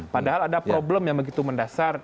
padahal ada problem yang begitu mendasar